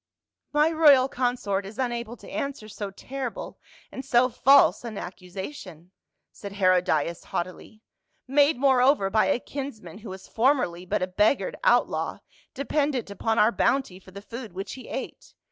" My royal consort is unable to answer so terrible and so false an accusation," said Herodias haughtily. " Made moreover by a kinsman who was formerly but a beggared outlaw, dependent upon our bounty for the food which he ate.